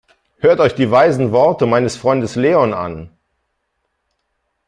Hört euch die weisen Worte meines Freundes Leon an!